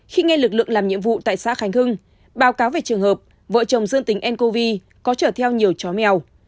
khi nghe lực lượng làm nhiệm vụ tại xã khánh hưng báo cáo về trường hợp vợ chồng dương tính ncov có chở theo nhiều chó mèo